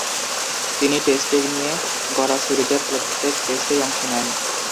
তিন টেস্টে নিয়ে গড়া সিরিজের প্রত্যেক টেস্টেই অংশ নেন।